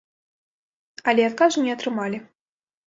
Але адказу не атрымалі.